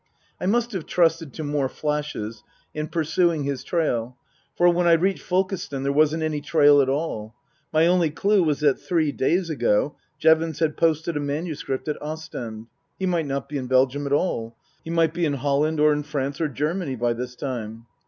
I must have trusted to more flashes in pursuing his trail. For when I reached Folkestone there wasn't any trail at all. My only clue was that three days ago Jevons had posted a manuscript at Ostend. He might not be in Belgium at all. He might be in Holland or in France or Germany by this time.